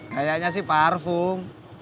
kayaknya sih parfum